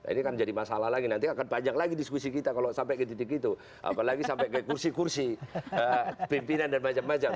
ini kan jadi masalah lagi nanti akan banyak lagi diskusi kita kalau sampai ke titik itu apalagi sampai ke kursi kursi pimpinan dan macam macam